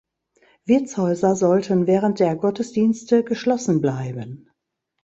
Wirtshäuser sollten während der Gottesdienste geschlossen bleiben.